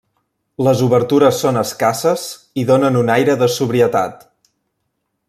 Les obertures són escasses i donen un aire de sobrietat.